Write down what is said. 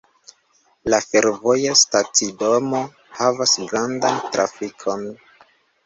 La fervoja stacidomo havas grandan trafikon.